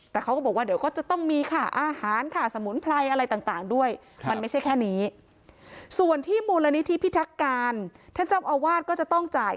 แต่เขาก็บอกว่าเดี๋ยวก็จะต้องมีค่าอาหารค่าสมุนไพรอะไรต่างด้วย